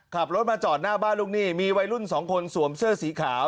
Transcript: ขับรถมาจอดหน้าบ้านลูกหนี้มีวัยรุ่นสองคนสวมเสื้อสีขาว